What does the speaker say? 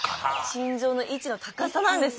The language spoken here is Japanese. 心臓の位置の高さなんですね。